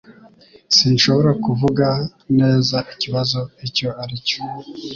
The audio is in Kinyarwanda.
Sinshobora kuvuga neza ikibazo icyo ari cyo.